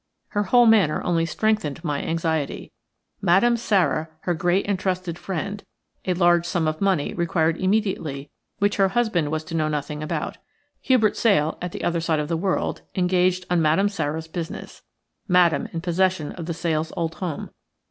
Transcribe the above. Her whole manner only strengthened my anxiety. Madame Sara her great and trusted friend; a large sum of money required immediately which her husband was to know nothing about; Hubert Sale at the other side of the world, engaged on Madame Sara's business; Madame in possession of the Sales' old home.